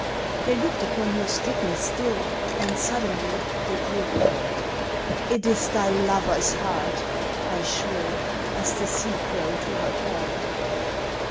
They looked upon her stricken still, And sudden they grew appalled. ("It is thy lover's heart!" I shrill As the sea crow to her called.)